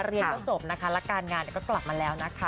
เรียนก็จบนะคะและการงานก็กลับมาแล้วนะคะ